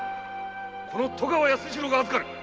この戸川安次郎が預かる。